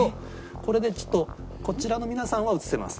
これでちょっとこちらの皆さんは写せます。